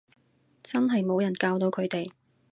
真係冇人教到佢哋